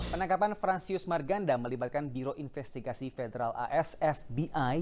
penangkapan fransius marganda melibatkan biro investigasi federal as fbi